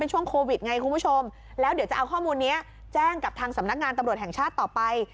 ช่วงโควิดไงคุณผู้ชมแล้วเดี๋ยวจะเอาข้อมูลนี้แจ้งกับทางสำนักงานตำรวจแห่งชาติต่อไป